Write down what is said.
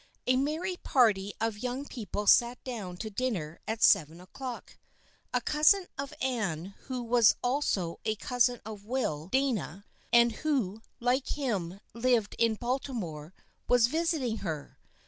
A merry party of young people sat down to dinner at seven o'clock. A cousin of Anne who was also a cousin of Will Dana and who, like him, lived in Balti more, was visiting her.